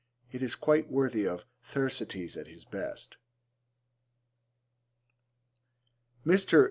It is quite worthy of Thersites at his best.